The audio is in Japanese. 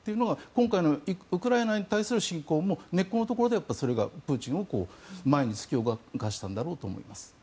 今回のウクライナ侵攻も根っこのところではそれがプーチンを前に突き動かしたんだろうと思います。